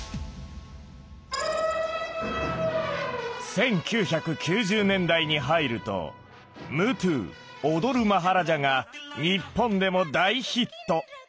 １９９０年代に入ると「ムトゥ踊るマハラジャ」が日本でも大ヒット。